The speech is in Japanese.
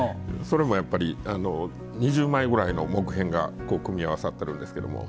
それもやっぱり２０枚ぐらいの木片が組み合わさってるんですけども。